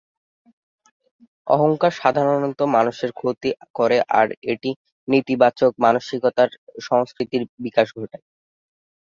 অহংকার সাধারণত মানুষের ক্ষতি করে আর এটি নেতিবাচক মানসিকতার সংস্কৃতির বিকাশ ঘটায়।